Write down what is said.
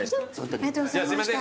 すいません